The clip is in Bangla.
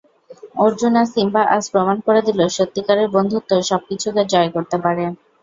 অর্জুন আর সিম্বা আজ প্রমাণ করে দিলো, সত্যিকারের বন্ধুত্ব সবকিছুকে জয় করতে পারে!